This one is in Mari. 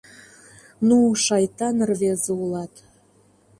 — Ну, шайтан рвезе улат.